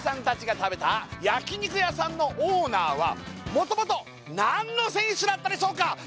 達が食べた焼き肉屋さんのオーナーは元々何の選手だったでしょうか